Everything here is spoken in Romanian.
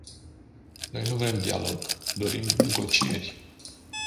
Noi nu vrem dialog, dorim negocieri.